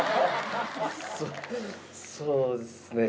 そうですね。